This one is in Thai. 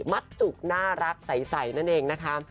มัดจุกน่ารักใสนั่นเองนะคะ